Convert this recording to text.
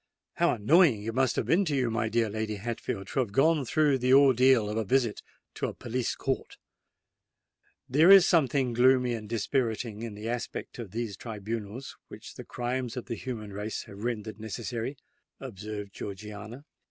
How annoying it must have been to you, my dear Lady Hatfield, to have gone through the ordeal of a visit to a police court!" "There is something gloomy and dispiriting in the aspect of these tribunals which the crimes of the human race have rendered necessary," observed Georgiana.